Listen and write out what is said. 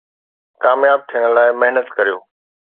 ڪامياب ٿيڻ لاءِ محنت ڪريو